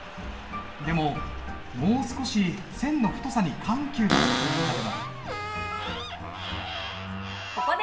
でももう少し線の太さに緩急がつくといいんだけど。